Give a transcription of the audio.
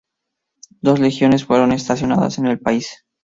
Dos legiones fueron estacionadas en el país.